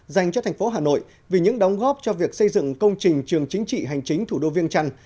dành cho thành phố hà nội vì những đóng góp cho việc xây dựng công trình trường chính trị hành chính thủ đô viêng trăn